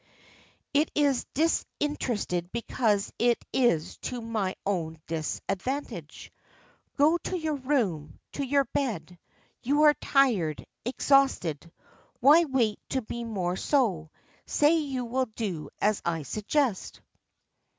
It is disinterested because it is to my own disadvantage. Go to your room to your bed. You are tired, exhausted. Why wait to be more so. Say you will do as I suggest."